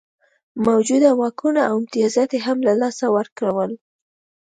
موجوده واکونه او امتیازات یې هم له لاسه ورکول.